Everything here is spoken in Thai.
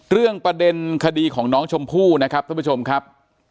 เรื่องประเด็นคดีของน้องชมพู่นะครับท่านผู้ชมครับ